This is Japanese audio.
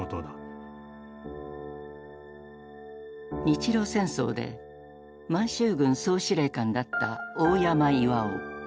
日露戦争で満州軍総司令官だった大山巌。